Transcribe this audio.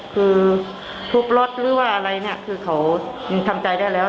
คือทุบรถหรือว่าอะไรเนี่ยคือเขายังทำใจได้แล้ว